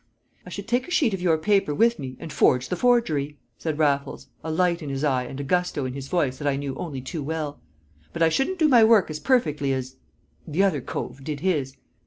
"I should take a sheet of your paper with me, and forge the forgery!" said Raffles, a light in his eye and a gusto in his voice that I knew only too well. "But I shouldn't do my work as perfectly as the other cove did his.